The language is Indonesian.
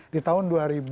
di tahun dua ribu enam